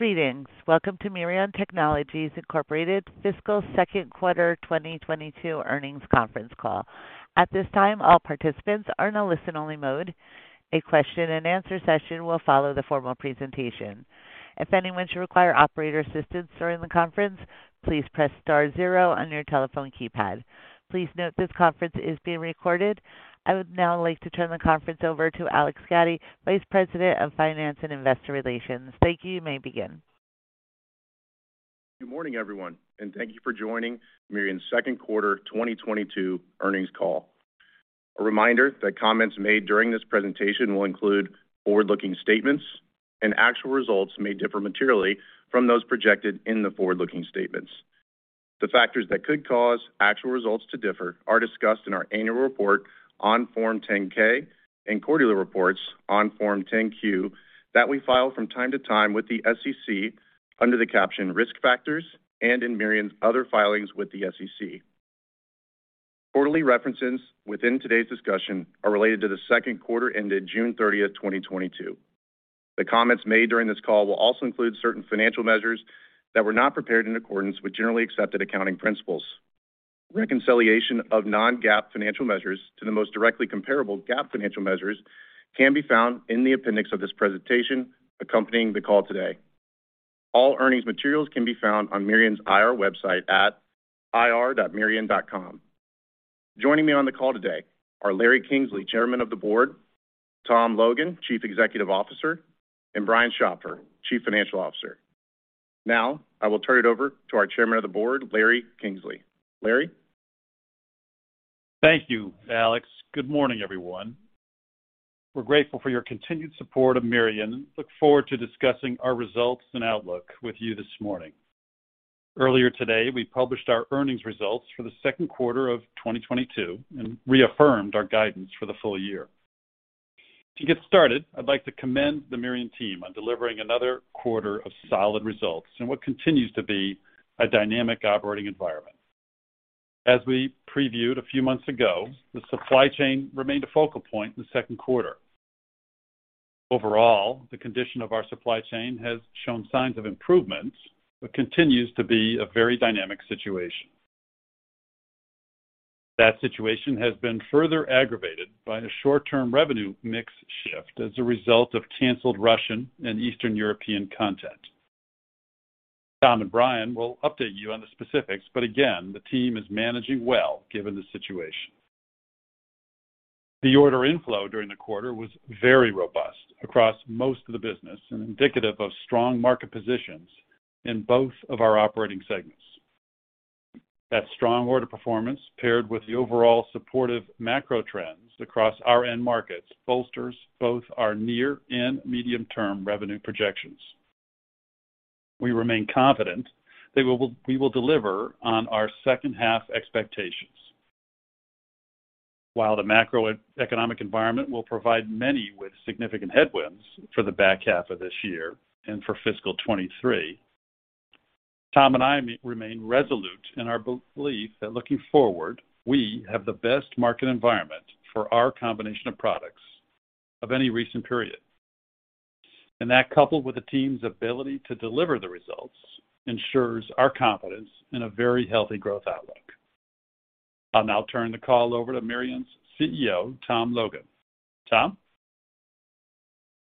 Greetings. Welcome to Mirion Technologies, Inc. Fiscal Second Quarter 2022 Earnings Conference Call. At this time, all participants are in a listen-only mode. A question-and-answer session will follow the formal presentation. If anyone should require operator assistance during the conference, please press star zero on your telephone keypad. Please note this conference is being recorded. I would now like to turn the conference over to Alex Gaddy, Vice President of Finance and Investor Relations. Thank you. You may begin. Good morning, everyone, and thank you for joining Mirion's second quarter 2022 earnings call. A reminder that comments made during this presentation will include forward-looking statements, and actual results may differ materially from those projected in the forward-looking statements. The factors that could cause actual results to differ are discussed in our annual report on Form 10-K and quarterly reports on Form 10-Q that we file from time to time with the SEC under the caption Risk Factors and in Mirion's other filings with the SEC. Quarterly references within today's discussion are related to the second quarter ended June 30th, 2022. The comments made during this call will also include certain financial measures that were not prepared in accordance with generally accepted accounting principles. Reconciliation of non-GAAP financial measures to the most directly comparable GAAP financial measures can be found in the appendix of this presentation accompanying the call today. All earnings materials can be found on Mirion's IR website at ir.mirion.com. Joining me on the call today are Larry Kingsley, Chairman of the Board, Tom Logan, Chief Executive Officer, and Brian Schopfer, Chief Financial Officer. Now I will turn it over to our Chairman of the Board, Larry Kingsley. Larry? Thank you, Alex. Good morning, everyone. We're grateful for your continued support of Mirion and look forward to discussing our results and outlook with you this morning. Earlier today, we published our earnings results for the second quarter of 2022 and reaffirmed our guidance for the full year. To get started, I'd like to commend the Mirion team on delivering another quarter of solid results in what continues to be a dynamic operating environment. As we previewed a few months ago, the supply chain remained a focal point in the second quarter. Overall, the condition of our supply chain has shown signs of improvement but continues to be a very dynamic situation. That situation has been further aggravated by a short-term revenue mix shift as a result of canceled Russian and Eastern European content. Tom and Brian will update you on the specifics, but again, the team is managing well given the situation. The order inflow during the quarter was very robust across most of the business and indicative of strong market positions in both of our operating segments. That strong order performance, paired with the overall supportive macro trends across our end markets, bolsters both our near and medium-term revenue projections. We remain confident that we will deliver on our second half expectations. While the macroeconomic environment will provide many with significant headwinds for the back half of this year and for fiscal 2023, Tom and I remain resolute in our belief that looking forward, we have the best market environment for our combination of products of any recent period. That, coupled with the team's ability to deliver the results, ensures our confidence in a very healthy growth outlook. I'll now turn the call over to Mirion's CEO, Tom Logan. Tom?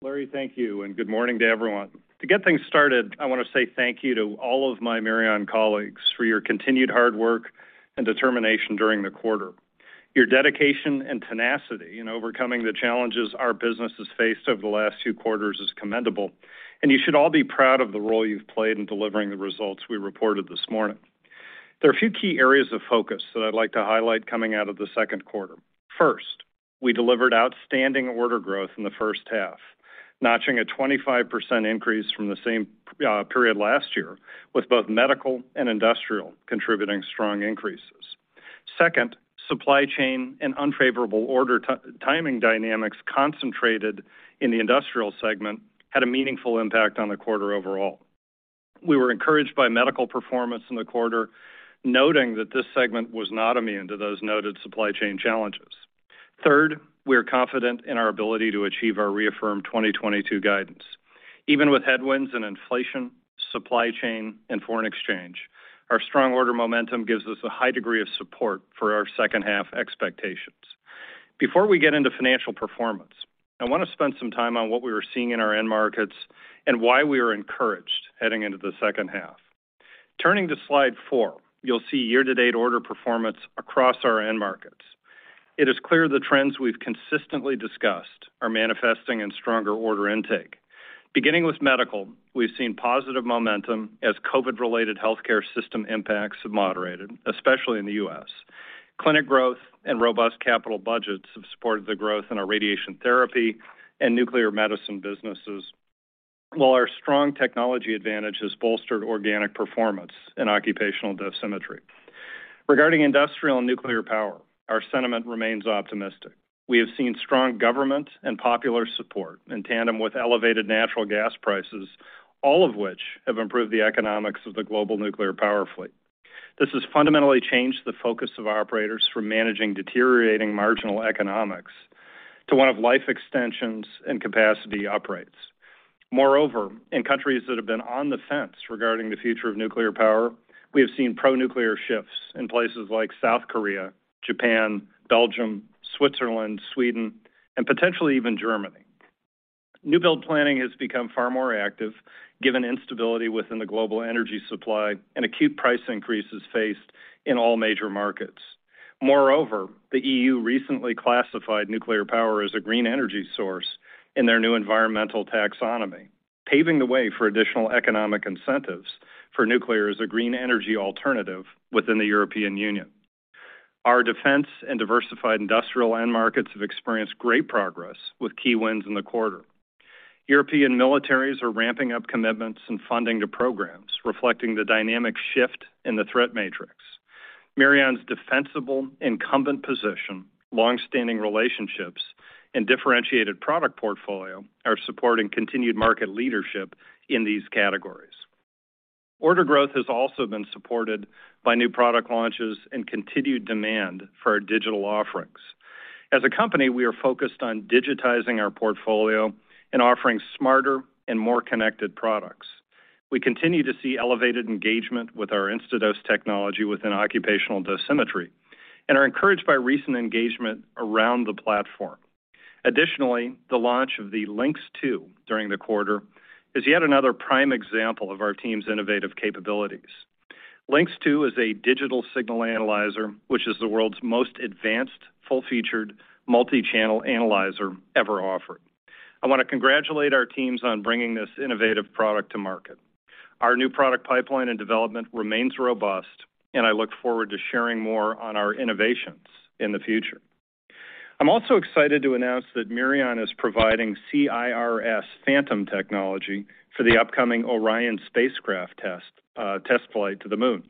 Larry, thank you, and good morning to everyone. To get things started, I wanna say thank you to all of my Mirion colleagues for your continued hard work and determination during the quarter. Your dedication and tenacity in overcoming the challenges our business has faced over the last two quarters is commendable, and you should all be proud of the role you've played in delivering the results we reported this morning. There are a few key areas of focus that I'd like to highlight coming out of the second quarter. First, we delivered outstanding order growth in the first half, notching a 25% increase from the same period last year, with both medical and industrial contributing strong increases. Second, supply chain and unfavorable order timing dynamics concentrated in the industrial segment had a meaningful impact on the quarter overall. We were encouraged by medical performance in the quarter, noting that this segment was not immune to those noted supply chain challenges. Third, we are confident in our ability to achieve our reaffirmed 2022 guidance. Even with headwinds in inflation, supply chain, and foreign exchange, our strong order momentum gives us a high degree of support for our second half expectations. Before we get into financial performance, I wanna spend some time on what we were seeing in our end markets and why we are encouraged heading into the second half. Turning to slide four, you'll see year-to-date order performance across our end markets. It is clear the trends we've consistently discussed are manifesting in stronger order intake. Beginning with medical, we've seen positive momentum as COVID-related healthcare system impacts have moderated, especially in the U.S. Clinic growth and robust capital budgets have supported the growth in our radiation therapy and nuclear medicine businesses, while our strong technology advantage has bolstered organic performance in occupational dosimetry. Regarding industrial and nuclear power, our sentiment remains optimistic. We have seen strong government and popular support in tandem with elevated natural gas prices, all of which have improved the economics of the global nuclear power fleet. This has fundamentally changed the focus of operators from managing deteriorating marginal economics to one of life extensions and capacity uprates. Moreover, in countries that have been on the fence regarding the future of nuclear power, we have seen pro-nuclear shifts in places like South Korea, Japan, Belgium, Switzerland, Sweden, and potentially even Germany. New build planning has become far more active given instability within the global energy supply and acute price increases faced in all major markets. Moreover, the EU recently classified nuclear power as a green energy source in their new environmental taxonomy, paving the way for additional economic incentives for nuclear as a green energy alternative within the European Union. Our defense and diversified industrial end markets have experienced great progress with key wins in the quarter. European militaries are ramping up commitments and funding to programs reflecting the dynamic shift in the threat matrix. Mirion's defensible incumbent position, long-standing relationships, and differentiated product portfolio are supporting continued market leadership in these categories. Order growth has also been supported by new product launches and continued demand for our digital offerings. As a company, we are focused on digitizing our portfolio and offering smarter and more connected products. We continue to see elevated engagement with our Instadose technology within occupational dosimetry, and are encouraged by recent engagement around the platform. Additionally, the launch of the Lynx II during the quarter is yet another prime example of our team's innovative capabilities. Lynx II is a digital signal analyzer, which is the world's most advanced, full-featured, multi-channel analyzer ever offered. I want to congratulate our teams on bringing this innovative product to market. Our new product pipeline and development remains robust, and I look forward to sharing more on our innovations in the future. I'm also excited to announce that Mirion is providing CIRS Phantom technology for the upcoming Orion spacecraft test flight to the Moon.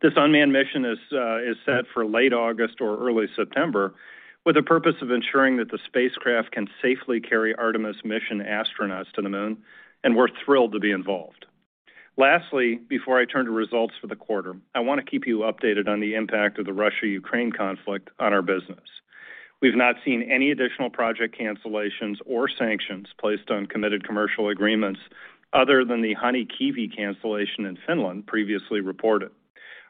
This unmanned mission is set for late August or early September with the purpose of ensuring that the spacecraft can safely carry Artemis mission astronauts to the Moon, and we're thrilled to be involved. Lastly, before I turn to results for the quarter, I want to keep you updated on the impact of the Russia-Ukraine conflict on our business. We've not seen any additional project cancellations or sanctions placed on committed commercial agreements other than the Hanhikivi cancellation in Finland previously reported.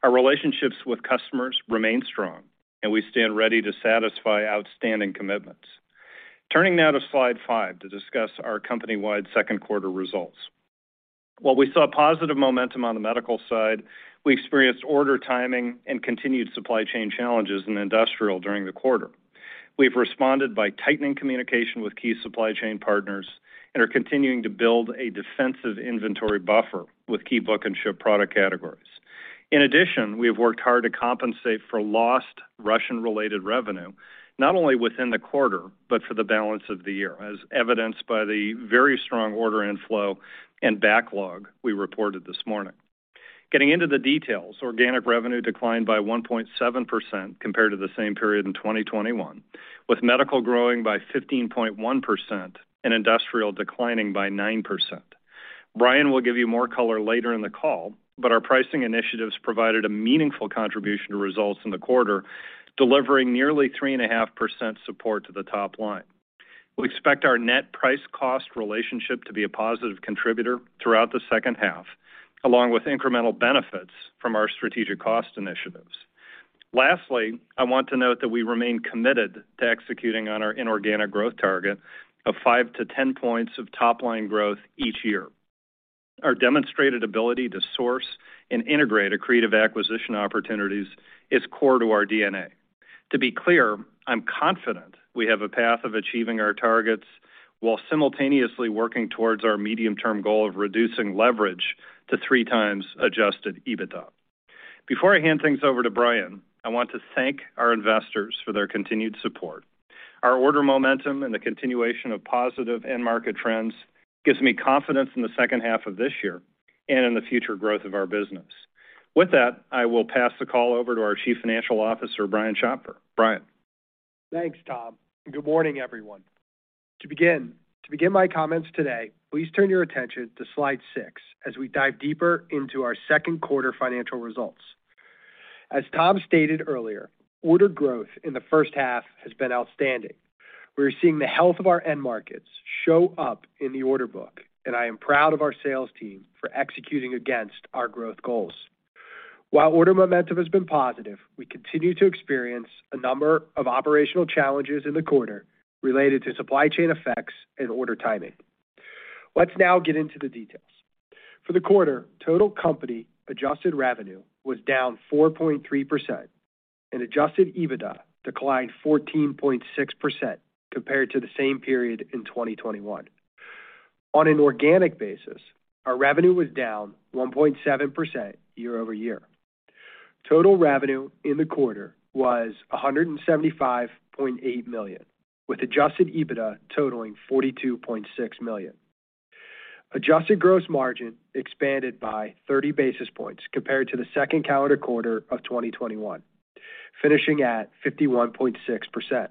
Our relationships with customers remain strong, and we stand ready to satisfy outstanding commitments. Turning now to slide five to discuss our company-wide second quarter results. While we saw positive momentum on the medical side, we experienced order timing and continued supply chain challenges in industrial during the quarter. We've responded by tightening communication with key supply chain partners and are continuing to build a defensive inventory buffer with key book-and-ship product categories. In addition, we have worked hard to compensate for lost Russian-related revenue, not only within the quarter, but for the balance of the year, as evidenced by the very strong order inflow and backlog we reported this morning. Getting into the details, organic revenue declined by 1.7% compared to the same period in 2021, with medical growing by 15.1% and industrial declining by 9%. Brian will give you more color later in the call, but our pricing initiatives provided a meaningful contribution to results in the quarter, delivering nearly 3.5% support to the top line. We expect our net price cost relationship to be a positive contributor throughout the second half, along with incremental benefits from our strategic cost initiatives. Lastly, I want to note that we remain committed to executing on our inorganic growth target of 5%-10% of top-line growth each year. Our demonstrated ability to source and integrate accretive acquisition opportunities is core to our DNA. To be clear, I'm confident we have a path of achieving our targets while simultaneously working towards our medium-term goal of reducing leverage to 3x adjusted EBITDA. Before I hand things over to Brian, I want to thank our investors for their continued support. Our order momentum and the continuation of positive end market trends gives me confidence in the second half of this year and in the future growth of our business. With that, I will pass the call over to our Chief Financial Officer, Brian Schopfer. Brian. Thanks, Tom. Good morning, everyone. To begin my comments today, please turn your attention to slide six as we dive deeper into our second quarter financial results. As Tom stated earlier, order growth in the first half has been outstanding. We are seeing the health of our end markets show up in the order book, and I am proud of our sales team for executing against our growth goals. While order momentum has been positive, we continue to experience a number of operational challenges in the quarter related to supply chain effects and order timing. Let's now get into the details. For the quarter, total company adjusted revenue was down 4.3% and adjusted EBITDA declined 14.6% compared to the same period in 2021. On an organic basis, our revenue was down 1.7% year-over-year. Total revenue in the quarter was $175.8 million, with adjusted EBITDA totaling $42.6 million. Adjusted gross margin expanded by 30 basis points compared to the second calendar quarter of 2021, finishing at 51.6%.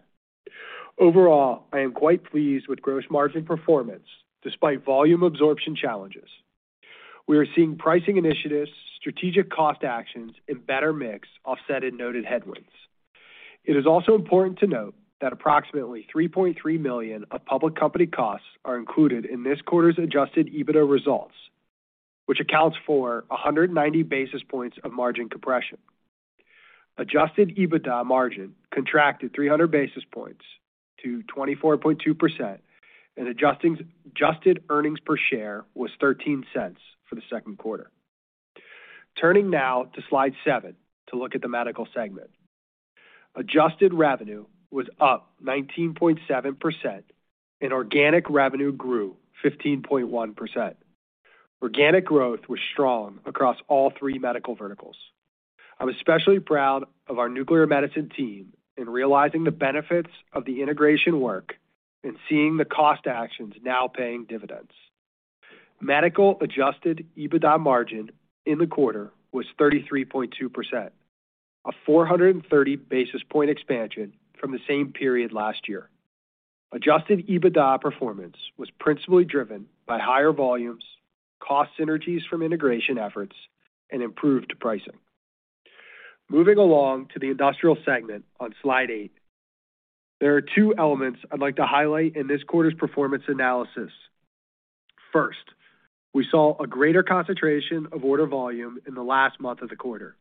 Overall, I am quite pleased with gross margin performance despite volume absorption challenges. We are seeing pricing initiatives, strategic cost actions, and better mix offsetting noted headwinds. It is also important to note that approximately $3.3 million of public company costs are included in this quarter's adjusted EBITDA results, which accounts for 190 basis points of margin compression. Adjusted EBITDA margin contracted 300 basis points to 24.2% and adjusted earnings per share was $0.13 for the second quarter. Turning now to slide seven to look at the medical segment. Adjusted revenue was up 19.7%, and organic revenue grew 15.1%. Organic growth was strong across all three medical verticals. I'm especially proud of our nuclear medicine team in realizing the benefits of the integration work and seeing the cost actions now paying dividends. Medical adjusted EBITDA margin in the quarter was 33.2%, a 430 basis points expansion from the same period last year. Adjusted EBITDA performance was principally driven by higher volumes, cost synergies from integration efforts, and improved pricing. Moving along to the industrial segment on slide eight. There are two elements I'd like to highlight in this quarter's performance analysis. First, we saw a greater concentration of order volume in the last month of the quarter.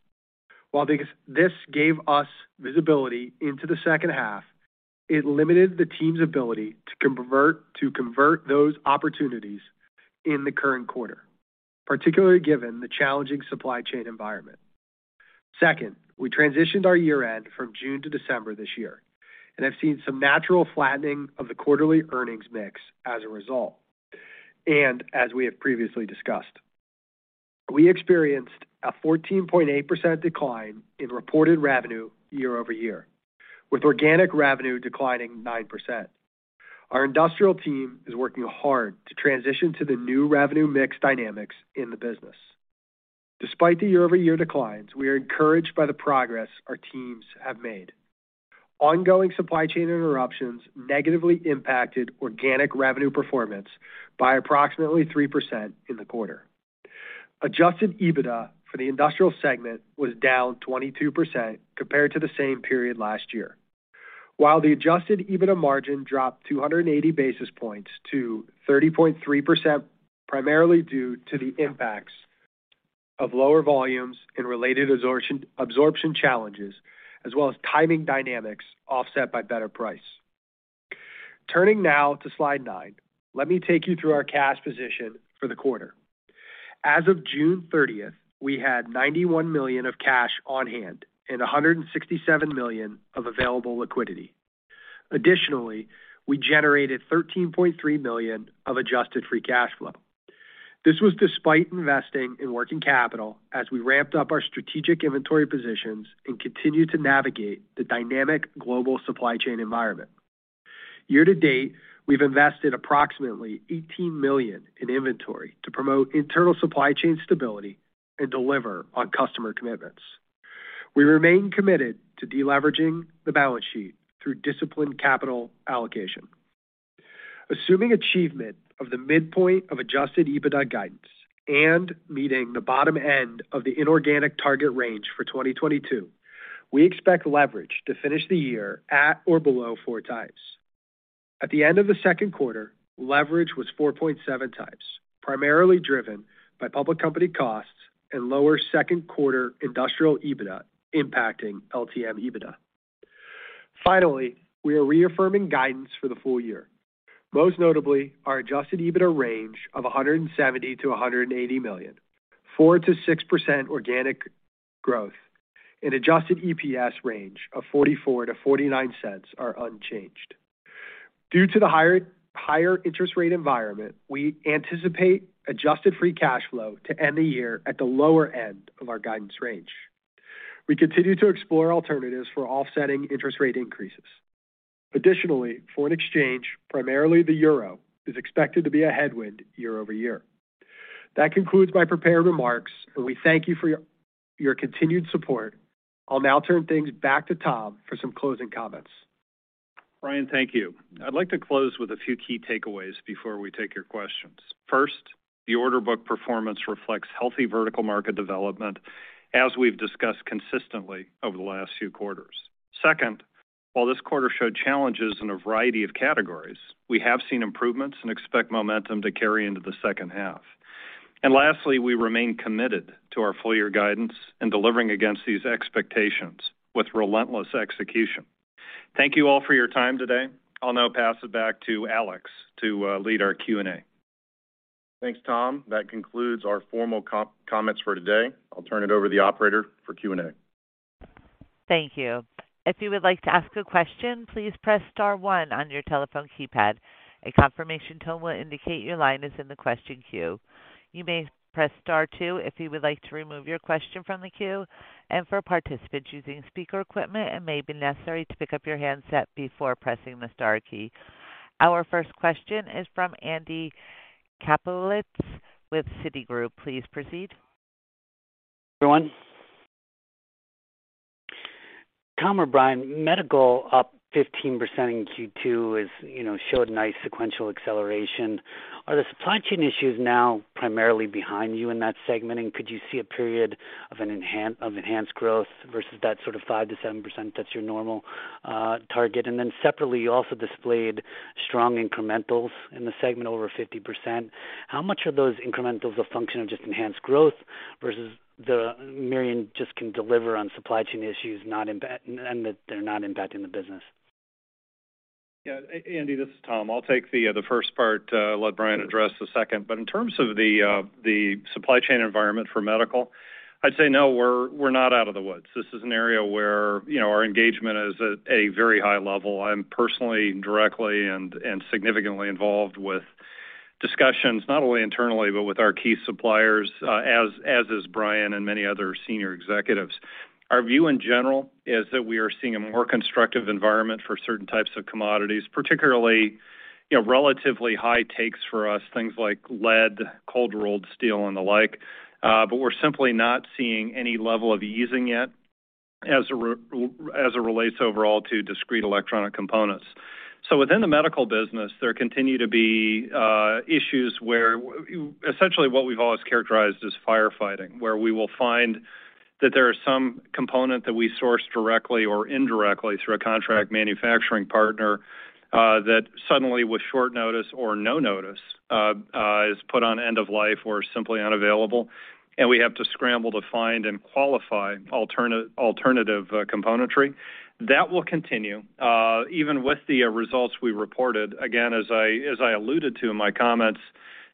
While this gave us visibility into the second half, it limited the team's ability to convert those opportunities in the current quarter, particularly given the challenging supply chain environment. Second, we transitioned our year-end from June to December this year and have seen some natural flattening of the quarterly earnings mix as a result. As we have previously discussed, we experienced a 14.8% decline in reported revenue year-over-year, with organic revenue declining 9%. Our industrial team is working hard to transition to the new revenue mix dynamics in the business. Despite the year-over-year declines, we are encouraged by the progress our teams have made. Ongoing supply chain interruptions negatively impacted organic revenue performance by approximately 3% in the quarter. Adjusted EBITDA for the industrial segment was down 22% compared to the same period last year. While the adjusted EBITDA margin dropped 280 basis points to 30.3%, primarily due to the impacts of lower volumes and related absorption challenges, as well as timing dynamics offset by better price. Turning now to slide nine, let me take you through our cash position for the quarter. As of June 30, we had $91 million of cash on hand and $167 million of available liquidity. Additionally, we generated $13.3 million of adjusted free cash flow. This was despite investing in working capital as we ramped up our strategic inventory positions and continued to navigate the dynamic global supply chain environment. Year to date, we've invested approximately $18 million in inventory to promote internal supply chain stability and deliver on customer commitments. We remain committed to deleveraging the balance sheet through disciplined capital allocation. Assuming achievement of the midpoint of adjusted EBITDA guidance and meeting the bottom end of the inorganic target range for 2022, we expect leverage to finish the year at or below 4x. At the end of the second quarter, leverage was 4.7x, primarily driven by public company costs and lower second quarter industrial EBITDA impacting LTM EBITDA. Finally, we are reaffirming guidance for the full year. Most notably, our adjusted EBITDA range of $170 million-$180 million, 4%-6% organic growth, and adjusted EPS range of $0.44-$0.49 are unchanged. Due to the higher interest rate environment, we anticipate adjusted free cash flow to end the year at the lower end of our guidance range. We continue to explore alternatives for offsetting interest rate increases. Additionally, foreign exchange, primarily the euro, is expected to be a headwind year over year. That concludes my prepared remarks, and we thank you for your continued support. I'll now turn things back to Tom for some closing comments. Brian, thank you. I'd like to close with a few key takeaways before we take your questions. First, the order book performance reflects healthy vertical market development as we've discussed consistently over the last few quarters. Second, while this quarter showed challenges in a variety of categories, we have seen improvements and expect momentum to carry into the second half. Lastly, we remain committed to our full year guidance and delivering against these expectations with relentless execution. Thank you all for your time today. I'll now pass it back to Alex to lead our Q&A. Thanks, Tom. That concludes our formal comments for today. I'll turn it over to the operator for Q&A. Thank you. If you would like to ask a question, please press star one on your telephone keypad. A confirmation tone will indicate your line is in the question queue. You may press star two if you would like to remove your question from the queue. For participants using speaker equipment, it may be necessary to pick up your handset before pressing the star key. Our first question is from Andrew Kaplowitz with Citigroup. Please proceed. Everyone. Tom or Brian, medical up 15% in Q2, you know, showed nice sequential acceleration. Are the supply chain issues now primarily behind you in that segment? Could you see a period of enhanced growth versus that sort of 5%-7% that's your normal target? Then separately, you also displayed strong incrementals in the segment over 50%. How much of those incrementals are function of just enhanced growth versus the Mirion just can deliver on supply chain issues not impacting the business? Yeah. Andy, this is Tom. I'll take the first part, let Brian address the second. In terms of the supply chain environment for medical, I'd say no, we're not out of the woods. This is an area where, you know, our engagement is at a very high level. I'm personally directly and significantly involved with discussions, not only internally, but with our key suppliers, as is Brian and many other senior executives. Our view in general is that we are seeing a more constructive environment for certain types of commodities, particularly, you know, relatively high stakes for us, things like lead, cold rolled steel, and the like. We're simply not seeing any level of easing yet as it relates overall to discrete electronic components. Within the medical business, there continue to be issues where essentially what we've always characterized as firefighting, where we will find that there is some component that we source directly or indirectly through a contract manufacturing partner that suddenly with short notice or no notice is put on end of life or simply unavailable, and we have to scramble to find and qualify alternative componentry. That will continue even with the results we reported. Again, as I alluded to in my comments,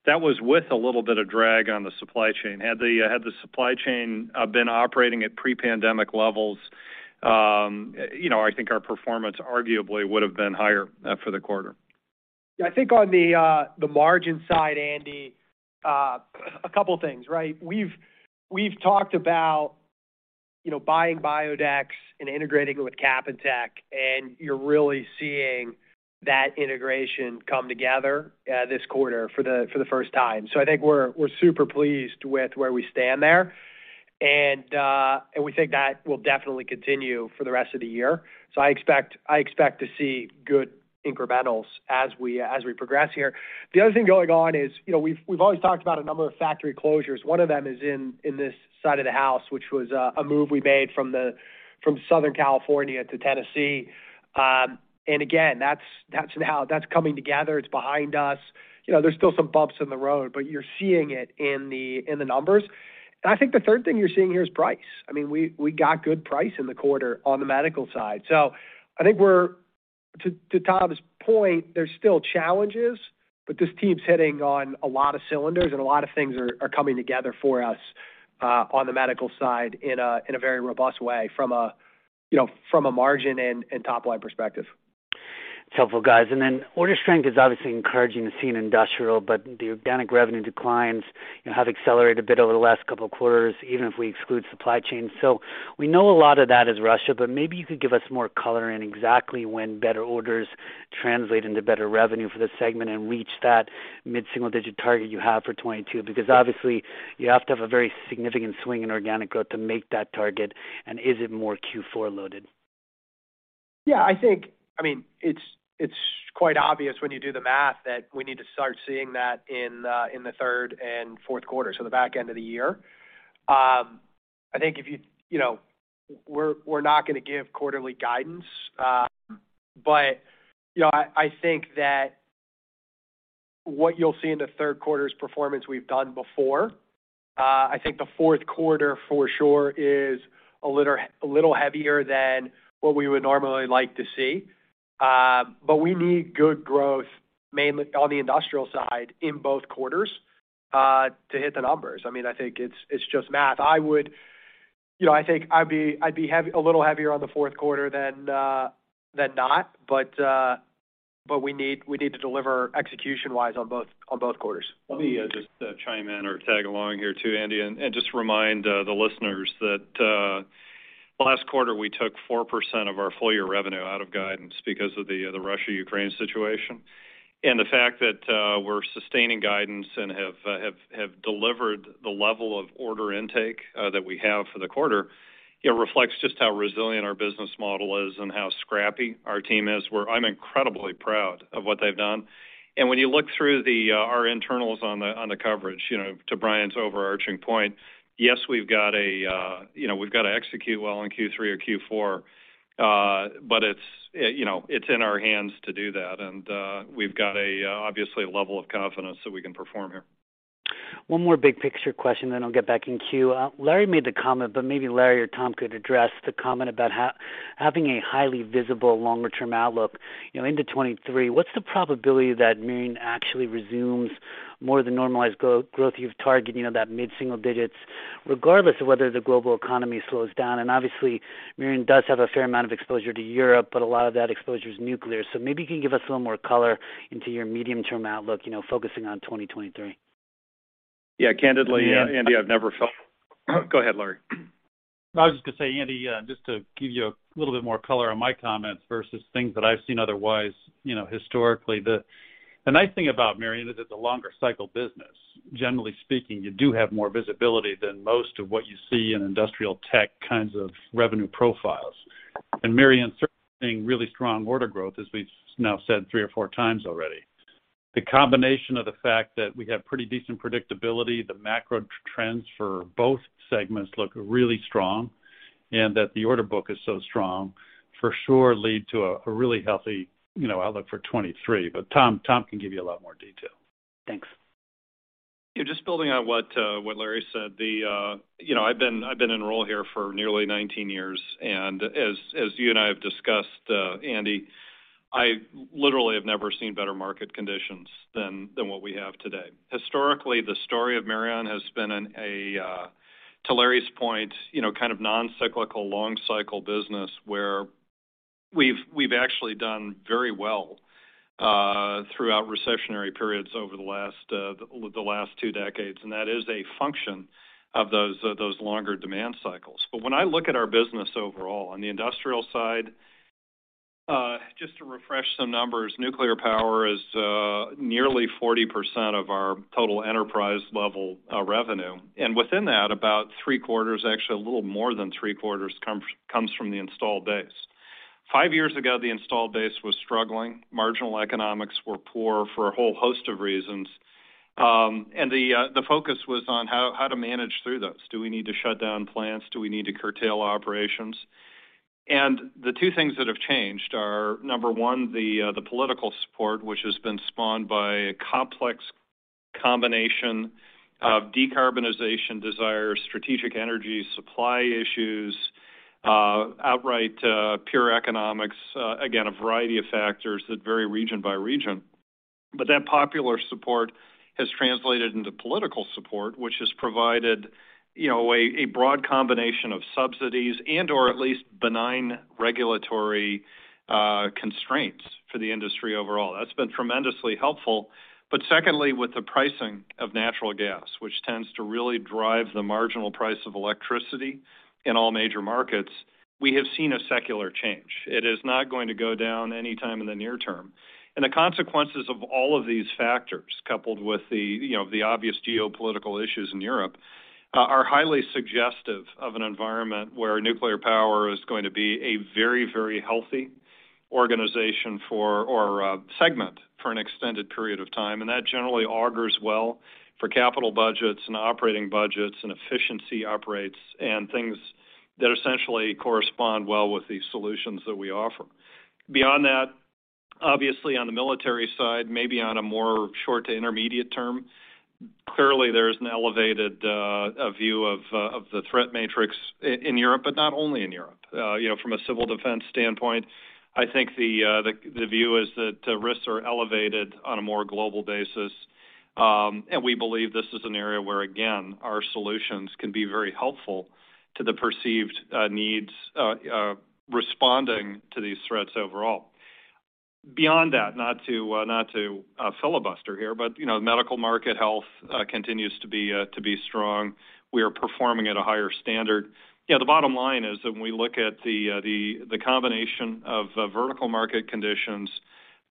that was with a little bit of drag on the supply chain. Had the supply chain been operating at pre-pandemic levels, you know, I think our performance arguably would have been higher for the quarter. Yeah. I think on the margin side, Andy, a couple of things, right? We've talked about, you know, buying Biodex and integrating it with Capintec, and you're really seeing that integration come together this quarter for the first time. So I think we're super pleased with where we stand there. We think that will definitely continue for the rest of the year. So I expect to see good incrementals as we progress here. The other thing going on is, you know, we've always talked about a number of factory closures. One of them is in this side of the house, which was a move we made from Southern California to Tennessee. Again, that's coming together. It's behind us. You know, there's still some bumps in the road, but you're seeing it in the numbers. I think the third thing you're seeing here is price. I mean, we got good price in the quarter on the medical side. I think to Tom's point, there's still challenges, but this team's hitting on a lot of cylinders, and a lot of things are coming together for us on the medical side in a very robust way from a, you know, from a margin and top line perspective. It's helpful, guys. Then order strength is obviously encouraging to see in Industrial, but the organic revenue declines, you know, have accelerated a bit over the last couple of quarters, even if we exclude supply chain. We know a lot of that is Russia, but maybe you could give us more color on exactly when better orders translate into better revenue for this segment and reach that mid-single-digit target you have for 2022? Because obviously you have to have a very significant swing in organic growth to make that target. Is it more Q4 loaded? I mean, it's quite obvious when you do the math that we need to start seeing that in the third and fourth quarter, so the back end of the year. You know, we're not gonna give quarterly guidance, but you know, I think that what you'll see in the third quarter's performance we've done before. I think the fourth quarter for sure is a little heavier than what we would normally like to see. But we need good growth mainly on the industrial side in both quarters to hit the numbers. I mean, I think it's just math. You know, I think I'd be a little heavier on the fourth quarter than not. We need to deliver execution-wise on both quarters. Let me just chime in or tag along here too, Andy, and just remind the listeners that last quarter, we took 4% of our full year revenue out of guidance because of the Russia-Ukraine situation. The fact that we're sustaining guidance and have delivered the level of order intake that we have for the quarter, you know, reflects just how resilient our business model is and how scrappy our team is. I'm incredibly proud of what they've done. When you look through our internals on the coverage, you know, to Brian's overarching point, yes, we've got to execute well in Q3 or Q4, but it's in our hands to do that. We've got obviously a level of confidence that we can perform here. One more big picture question, then I'll get back in queue. Larry made the comment, but maybe Larry or Tom could address the comment about having a highly visible longer term outlook, you know, into 2023. What's the probability that Mirion actually resumes more of the normalized growth you've targeted, you know, that mid-single digits, regardless of whether the global economy slows down? Obviously, Mirion does have a fair amount of exposure to Europe, but a lot of that exposure is nuclear. Maybe you can give us a little more color into your medium-term outlook, you know, focusing on 2023. Yeah. Candidly, Andy, I've never felt. Go ahead, Larry. I was just gonna say, Andy, just to give you a little bit more color on my comments versus things that I've seen otherwise, you know, historically. The nice thing about Mirion is it's a longer cycle business. Generally speaking, you do have more visibility than most of what you see in industrial tech kinds of revenue profiles. And Mirion's certainly seeing really strong order growth, as we've said three or four times already. The combination of the fact that we have pretty decent predictability, the macro trends for both segments look really strong, and that the order book is so strong, for sure lead to a really healthy, you know, outlook for 2023. Tom can give you a lot more detail. Thanks. Yeah. Just building on what Larry said, you know, I've been involved here for nearly 19 years, and as you and I have discussed, Andy, I literally have never seen better market conditions than what we have today. Historically, the story of Mirion has been a, to Larry's point, you know, kind of non-cyclical, long cycle business where we've actually done very well throughout recessionary periods over the last two decades, and that is a function of those longer demand cycles. When I look at our business overall, on the industrial side, just to refresh some numbers, nuclear power is nearly 40% of our total enterprise level revenue. Within that, about three-quarters, actually a little more than three-quarters comes from the installed base. Five years ago, the installed base was struggling. Marginal economics were poor for a whole host of reasons. The focus was on how to manage through this. Do we need to shut down plants? Do we need to curtail operations? The two things that have changed are, number one, the political support, which has been spawned by a complex combination of decarbonization desires, strategic energy supply issues, outright pure economics, again, a variety of factors that vary region by region. That popular support has translated into political support, which has provided, you know, a broad combination of subsidies and/or at least benign regulatory constraints for the industry overall. That's been tremendously helpful. Secondly, with the pricing of natural gas, which tends to really drive the marginal price of electricity in all major markets, we have seen a secular change. It is not going to go down anytime in the near term. The consequences of all of these factors, coupled with the, you know, the obvious geopolitical issues in Europe, are highly suggestive of an environment where nuclear power is going to be a very, very healthy organization, or segment for an extended period of time. That generally augurs well for capital budgets and operating budgets and efficiency operates and things that essentially correspond well with the solutions that we offer. Beyond that, obviously on the military side, maybe on a more short to intermediate term, clearly there is an elevated view of the threat matrix in Europe, but not only in Europe. You know, from a civil defense standpoint, I think the view is that the risks are elevated on a more global basis. We believe this is an area where, again, our solutions can be very helpful to the perceived needs responding to these threats overall. Beyond that, not to filibuster here, but you know, medical market health continues to be strong. We are performing at a higher standard. Yeah, the bottom line is when we look at the combination of vertical market conditions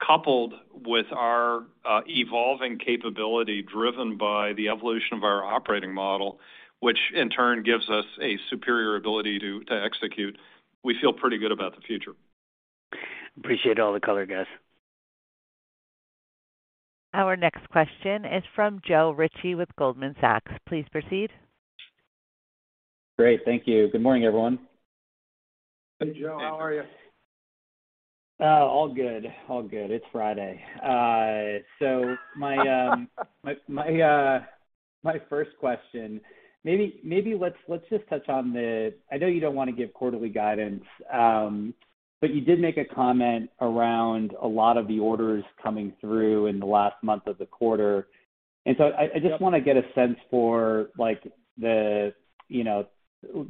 coupled with our evolving capability driven by the evolution of our operating model, which in turn gives us a superior ability to execute, we feel pretty good about the future. Appreciate all the color, guys. Our next question is from Joe Ritchie with Goldman Sachs. Please proceed. Great. Thank you. Good morning, everyone. Hey, Joe. How are you? All good. It's Friday. My first question. Maybe let's just touch on the. I know you don't wanna give quarterly guidance, but you did make a comment around a lot of the orders coming through in the last month of the quarter. I just wanna get a sense for, like, you know,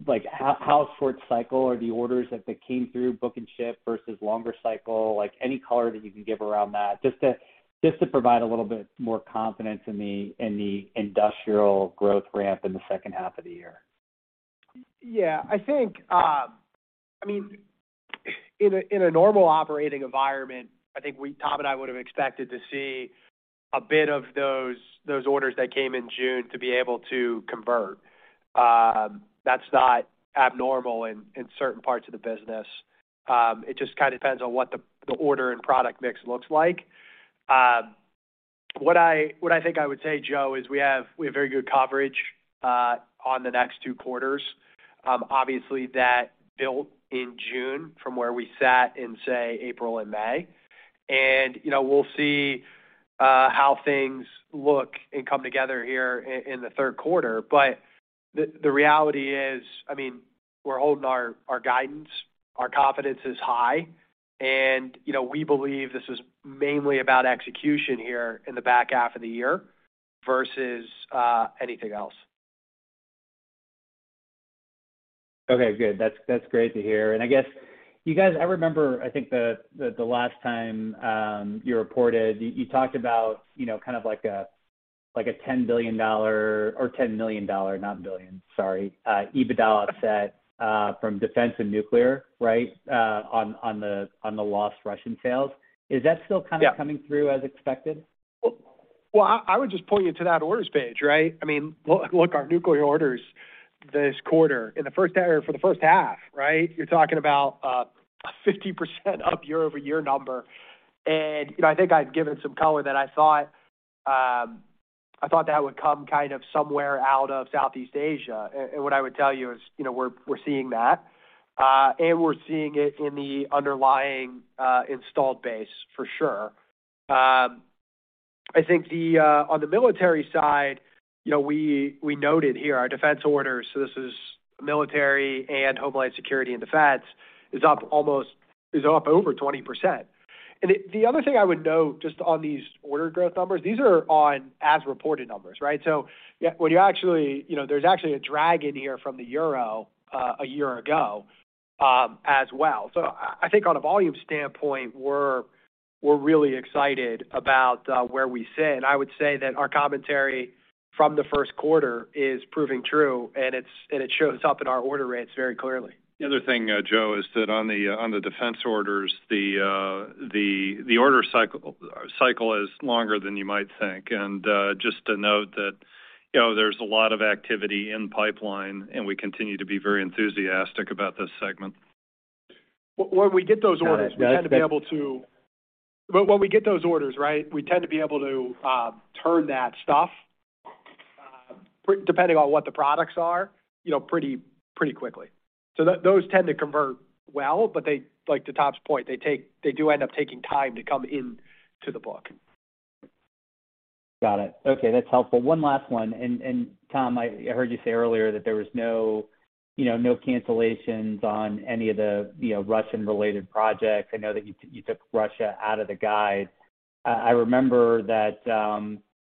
like, how short cycle are the orders that came through book and ship versus longer cycle. Like, any color that you can give around that, just to provide a little bit more confidence in the industrial growth ramp in the second half of the year. Yeah. I think, I mean, in a normal operating environment, I think we, Tom and I, would have expected to see a bit of those orders that came in June to be able to convert. That's not abnormal in certain parts of the business. It just kinda depends on what the order and product mix looks like. What I think I would say, Joe, is we have very good coverage on the next two quarters. Obviously that built in June from where we sat in, say, April and May. You know, we'll see how things look and come together here in the third quarter. The reality is, I mean, we're holding our guidance, our confidence is high, and, you know, we believe this is mainly about execution here in the back half of the year versus anything else. Okay, good. That's great to hear. I guess you guys, I remember, I think the last time you reported, you talked about, you know, kind of like a $10 billion or $10 million, not billion, sorry, EBITDA offset from defense and nuclear, right, on the lost Russian sales. Is that still kind of- Yeah. Coming through as expected? Well, I would just point you to that orders page, right? I mean, look, our nuclear orders this quarter in the first half or for the first half, right? You're talking about a 50% up year-over-year number. You know, I think I've given some color that I thought that would come kind of somewhere out of Southeast Asia. What I would tell you is, you know, we're seeing that, and we're seeing it in the underlying installed base for sure. I think on the military side, you know, we noted here our defense orders. This is military and homeland security and defense is up over 20%. The other thing I would note just on these order growth numbers, these are on as reported numbers, right? When you actually, you know, there's actually a drag in here from the euro a year ago as well. I think on a volume standpoint, we're really excited about where we sit. I would say that our commentary from the first quarter is proving true, and it shows up in our order rates very clearly. The other thing, Joe, is that on the defense orders, the order cycle is longer than you might think. Just to note that, you know, there's a lot of activity in pipeline, and we continue to be very enthusiastic about this segment. When we get those orders, right, we tend to be able to turn that stuff, depending on what the products are, you know, pretty quickly. Those tend to convert well, but they, like to Tom's point, do end up taking time to come into the book. Got it. Okay. That's helpful. One last one. Tom, I heard you say earlier that there was no, you know, no cancellations on any of the, you know, Russian-related projects. I know that you took Russia out of the guide. I remember that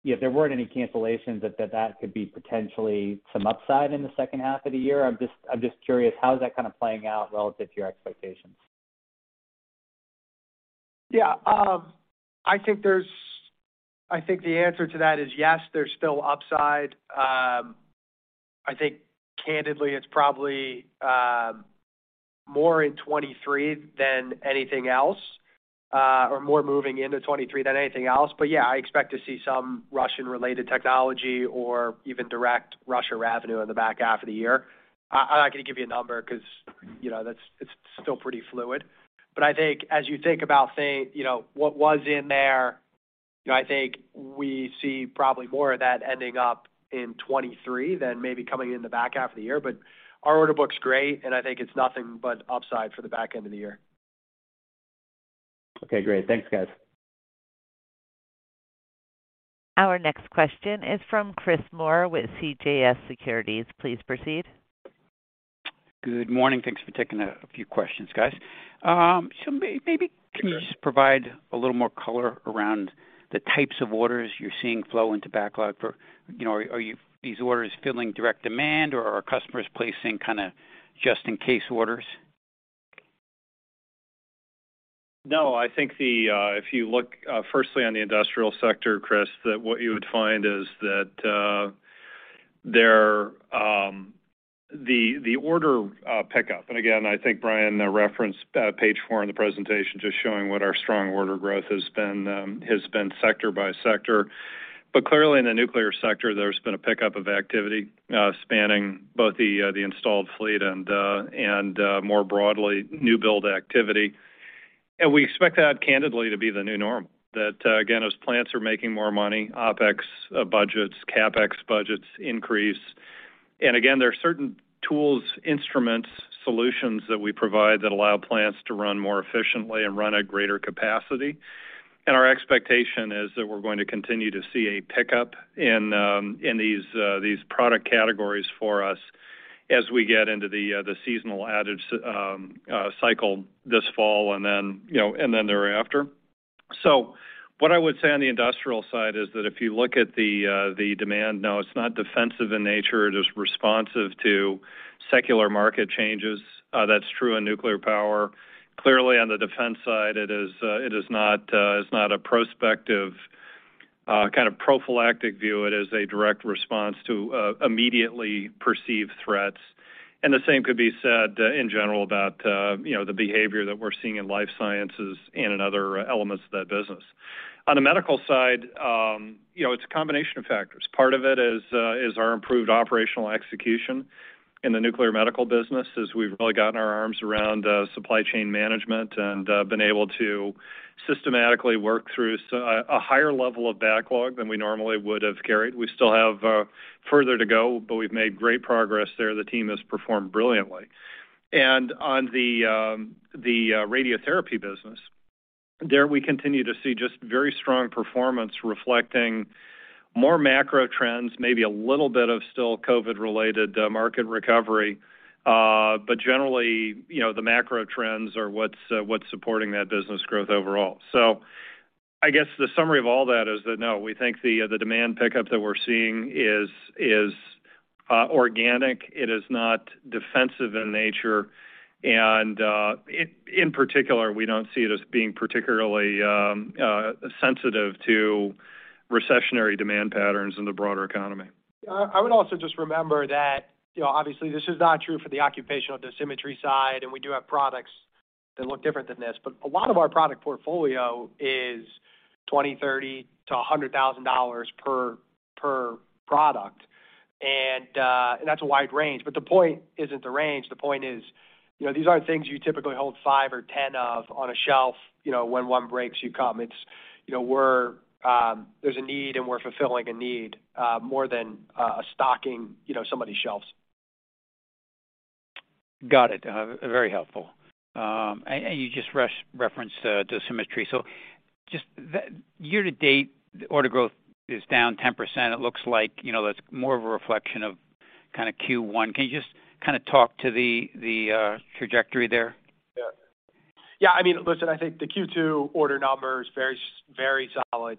if there weren't any cancellations, that could be potentially some upside in the second half of the year. I'm just curious, how is that kind of playing out relative to your expectations? Yeah. I think the answer to that is yes, there's still upside. I think candidly it's probably more in 2023 than anything else, or more moving into 2023 than anything else. Yeah, I expect to see some Russian-related technology or even direct Russian revenue in the back half of the year. I'm not gonna give you a number 'cause, you know, it's still pretty fluid. I think as you think about things, you know, what was in there, you know, I think we see probably more of that ending up in 2023 than maybe coming in the back half of the year. Our order book's great, and I think it's nothing but upside for the back end of the year. Okay. Great. Thanks, guys. Our next question is from Chris Moore with CJS Securities. Please proceed. Good morning. Thanks for taking a few questions, guys. Maybe can you just provide a little more color around the types of orders you're seeing flow into backlog for. You know, are these orders filling direct demand, or are customers placing kinda just in case orders? No. I think if you look firstly on the industrial sector, Chris, that what you would find is that there the order pickup. I think Brian referenced page four in the presentation just showing what our strong order growth has been sector by sector. Clearly in the nuclear sector, there's been a pickup of activity spanning both the installed fleet and more broadly new build activity. We expect that candidly to be the new norm. That again, as plants are making more money, OpEx budgets, CapEx budgets increase. There are certain tools, instruments, solutions that we provide that allow plants to run more efficiently and run at greater capacity. Our expectation is that we're going to continue to see a pickup in these product categories for us as we get into the seasonal outage cycle this fall and then, you know, thereafter. What I would say on the industrial side is that if you look at the demand, no, it's not defensive in nature. It is responsive to secular market changes. That's true in nuclear power. Clearly on the defense side, it is not a prospective kind of prophylactic view. It is a direct response to immediately perceived threats. The same could be said in general about, you know, the behavior that we're seeing in life sciences and in other elements of that business. On the medical side, you know, it's a combination of factors. Part of it is our improved operational execution in the nuclear medicine business, as we've really gotten our arms around supply chain management and been able to systematically work through a higher level of backlog than we normally would have carried. We still have further to go, but we've made great progress there. The team has performed brilliantly. On the radiotherapy business, there we continue to see just very strong performance reflecting more macro trends, maybe a little bit of still COVID-related market recovery. Generally, you know, the macro trends are what's supporting that business growth overall. I guess the summary of all that is that no, we think the demand pickup that we're seeing is organic. It is not defensive in nature. In particular, we don't see it as being particularly sensitive to recessionary demand patterns in the broader economy. I would also just remember that, you know, obviously this is not true for the occupational dosimetry side, and we do have products. They look different than this, but a lot of our product portfolio is $20,000, $30,000 to $100,000 per product. That's a wide range, but the point isn't the range. The point is, you know, these aren't things you typically hold five or 10 of on a shelf. You know, when one breaks, you come. It's, you know, there's a need and we're fulfilling a need, more than stocking, you know, somebody's shelves. Got it. Very helpful. You just referenced dosimetry. Year to date, order growth is down 10%. It looks like, you know, that's more of a reflection of kinda Q1. Can you just kinda talk to the trajectory there? Yeah. I mean, listen, I think the Q2 order number is very solid,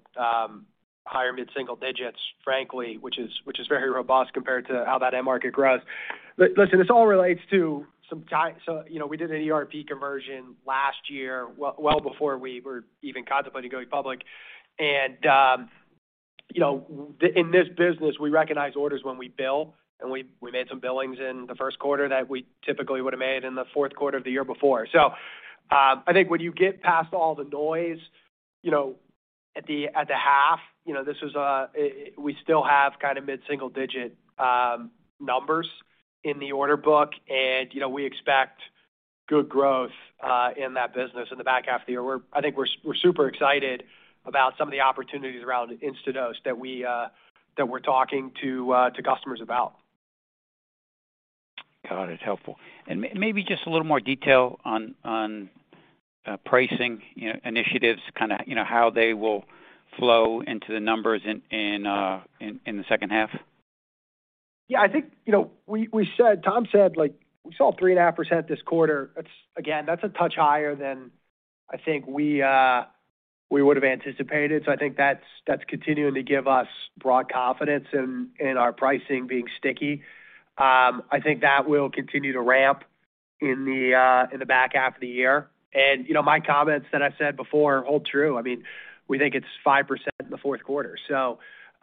higher mid-single digits, frankly, which is very robust compared to how that end market grows. Listen, this all relates to some timing. You know, we did an ERP conversion last year, well before we were even contemplating going public. You know, in this business, we recognize orders when we bill, and we made some billings in the first quarter that we typically would have made in the fourth quarter of the year before. I think when you get past all the noise, you know, at the half, you know, this is. We still have kinda mid-single digit numbers in the order book. You know, we expect good growth in that business in the back half of the year. I think we're super excited about some of the opportunities around Instadose that we're talking to customers about. Got it. Helpful. Maybe just a little more detail on pricing, you know, initiatives, kinda, you know, how they will flow into the numbers in the second half. Yeah. I think, you know, Tom said, like, we saw 3.5% this quarter. That's. Again, that's a touch higher than I think we would've anticipated. I think that's continuing to give us broad confidence in our pricing being sticky. I think that will continue to ramp in the back half of the year. You know, my comments that I've said before hold true. I mean, we think it's 5% in the fourth quarter,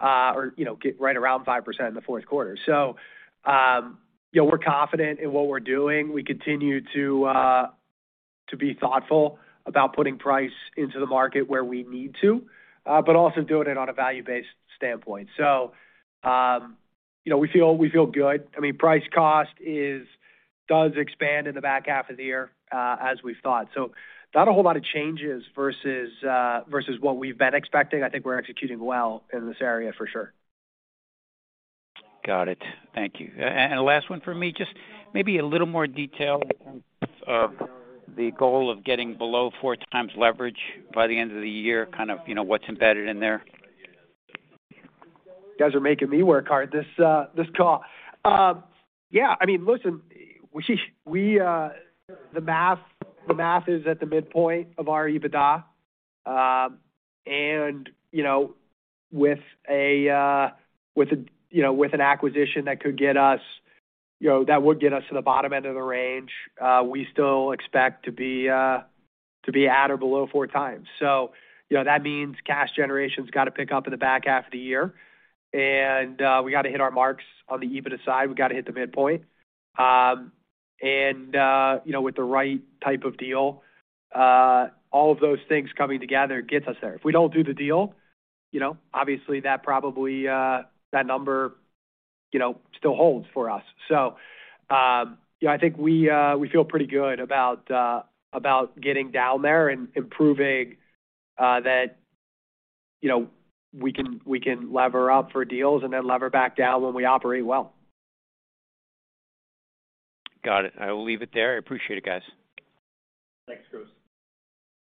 or, you know, get right around 5% in the fourth quarter. You know, we're confident in what we're doing. We continue to be thoughtful about putting price into the market where we need to, but also doing it on a value-based standpoint. You know, we feel good. I mean, price cost does expand in the back half of the year, as we've thought. Not a whole lot of changes versus what we've been expecting. I think we're executing well in this area for sure. Got it. Thank you. Last one for me. Just maybe a little more detail in terms of the goal of getting below 4x leverage by the end of the year, kind of, you know, what's embedded in there. You guys are making me work hard this call. Yeah. I mean, listen, the math is at the midpoint of our EBITDA. You know, with an acquisition that could get us, you know, that would get us to the bottom end of the range, we still expect to be at or below 4x. That means cash generation's gotta pick up in the back half of the year. We gotta hit our marks on the EBITDA side. We've gotta hit the midpoint. You know, with the right type of deal, all of those things coming together gets us there. If we don't do the deal, you know, obviously that probably, that number, you know, still holds for us. You know, I think we feel pretty good about getting down there and improving that you know we can lever up for deals and then lever back down when we operate well. Got it. I will leave it there. I appreciate it, guys. Thanks, Chris Moore.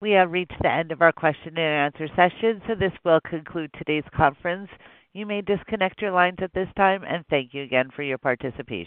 We have reached the end of our question and answer session, so this will conclude today's conference. You may disconnect your lines at this time, and thank you again for your participation.